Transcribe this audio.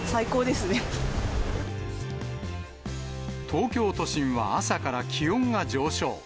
東京都心は朝から気温が上昇。